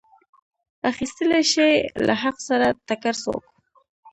اخیستلی شي له حق سره ټکر څوک.